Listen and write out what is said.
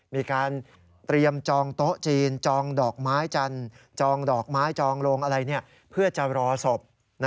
มีการเตรียมจองโต๊ะจีนจองดอกไม้จันทร์จองดอกไม้จองโลงอะไรเพื่อจะรอศพ